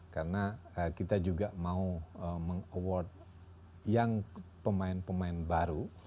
karena kita juga mau meng award yang pemain pemain baru